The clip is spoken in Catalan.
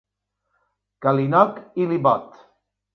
Calinog, i Libot.